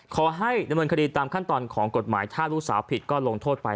ขอให้ดำเนินคดีตามขั้นตอนของกฎหมายถ้าลูกสาวผิดก็ลงโทษไป